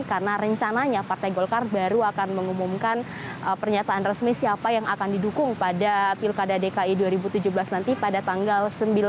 karena rencananya partai golkar baru akan mengumumkan pernyataan resmi siapa yang akan didukung pada pilkada dki dua ribu tujuh belas nanti pada tanggal sembilan